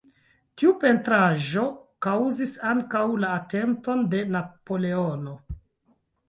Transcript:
Tiu pentraĵo kaŭzis ankaŭ la atenton de Napoleono.